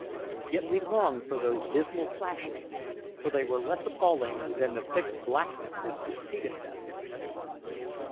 Yet we longed for those dismal flashes, for they were less appalling than the thick blackness that succeeded them.